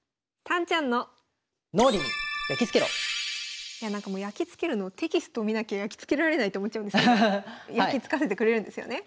それではなんかもうやきつけるのテキスト見なきゃやきつけられないと思っちゃうんですけどやきつかせてくれるんですよね？